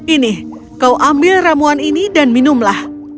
ini kau ambil ramuan ini dan minumlah